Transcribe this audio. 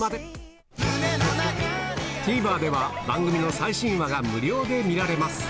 ＴＶｅｒでは番組の最新話が無料で見られます